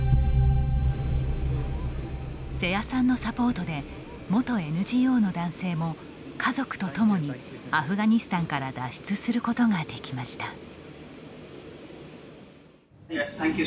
瀬谷さんのサポートで元ＮＧＯの男性も家族とともにアフガニスタンから脱出することができました。